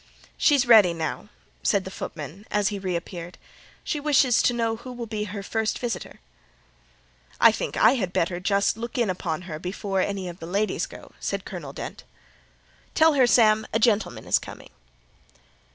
"She's ready now," said the footman, as he reappeared. "She wishes to know who will be her first visitor." "I think I had better just look in upon her before any of the ladies go," said Colonel Dent. "Tell her, Sam, a gentleman is coming."